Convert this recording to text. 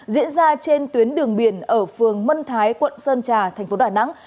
diễn ra trên tuyến đường biển ở phường mân thái quận sơn trà thành phố đà nẵng